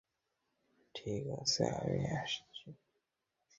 ঠিক আছে, আমি পারবো।